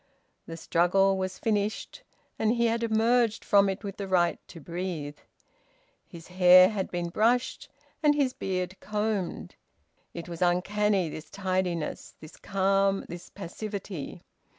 The struggle was finished, and he had emerged from it with the right to breathe. His hair had been brushed, and his beard combed. It was uncanny, this tidiness, this calm, this passivity.